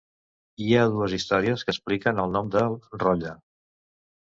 Hi ha dues històries que expliquen el nom de Rolla.